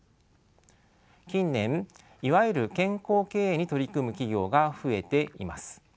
近年いわゆる健康経営に取り組む企業が増えています。